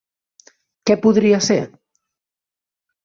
Què podria ser?